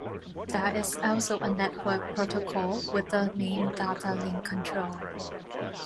There is also a network protocol with the name Data Link Control.